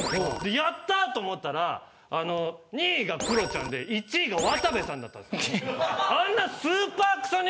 「やった！」と思ったらあの２位がクロちゃんで１位が渡部さんだったんです。